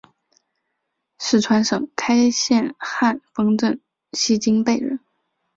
四川省开县汉丰镇西津坝人。